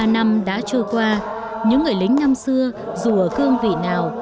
sáu mươi ba năm đã trôi qua những người lính năm xưa dù ở cương vị nào